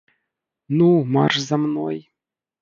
Ну, марш за мной!